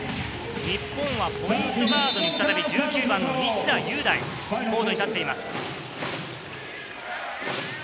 日本はポイントガードに再び１９番の西田優大、コートに立っています。